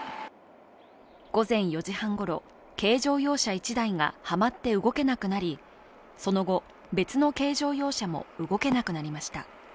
午前４時半ごろ、軽乗用車１台がはまって動けなくなり、その後、別の軽乗用車も動けなくなりました。